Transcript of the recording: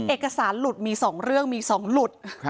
เอกสารหลุดมี๒เรื่องมี๒หลุด